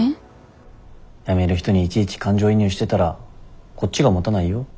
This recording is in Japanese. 辞める人にいちいち感情移入してたらこっちがもたないよ。